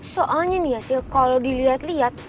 soalnya nih ya siel kalo diliat liat